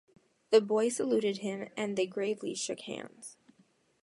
The boy saluted him, and they gravely shook hands.